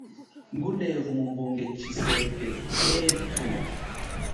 Ngunevu mumbunge chiseke tepu.